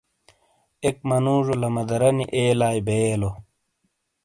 ایک منوجو لمادرینی ایلائی بئیے لو۔